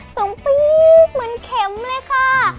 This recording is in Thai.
ส่งปรี๊ดเหมือนเข็มเลยค่ะ